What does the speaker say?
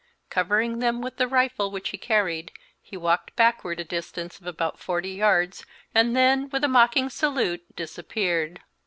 Covering them with the rifle which he carried, he walked backward a distance of about forty yards and then, with a mocking salute, disappeared.